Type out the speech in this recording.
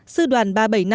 sư đoàn ba bảy năm